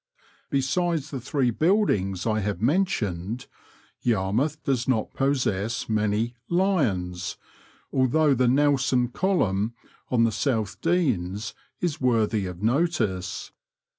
Besides the three buildings I have mentioned, Yarmouth does not possess many " lions," although the Nelson Column on the South Denes is worthy of notice.